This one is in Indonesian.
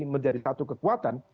menjadi satu kekuatan